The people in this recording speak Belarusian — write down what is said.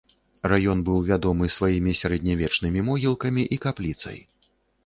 Раён быў вядомы сваімі сярэднявечнымі могілкамі і капліцай.